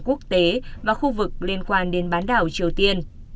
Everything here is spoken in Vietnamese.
quốc tế và khu vực liên quan đến bán đảo triều tiên